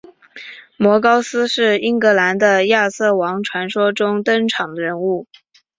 摩高斯是英格兰的亚瑟王传说中登场的人物。